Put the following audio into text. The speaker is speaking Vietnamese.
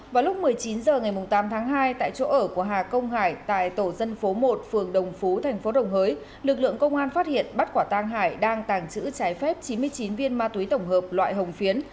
vào lúc một mươi chín h ngày tám tháng hai tại chỗ ở của hà công hải tại tổ dân phố một phường đồng phú thành phố đồng hới lực lượng công an phát hiện bắt quả tang hải đang tàng trữ trái phép chín mươi chín viên ma túy tổng hợp loại hồng phiến